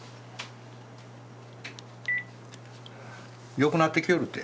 よくなってきよるって。